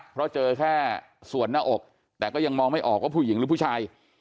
เพราะเจอแค่ส่วนหน้าอกแต่ก็ยังมองไม่ออกว่าผู้หญิงหรือผู้ชาย